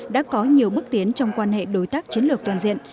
đã có nhiều bước tiến trong quan hệ đối tác chiến lược toàn diện